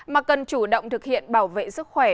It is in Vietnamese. mà cần chủ động thực hiện bảo vệ sức khỏe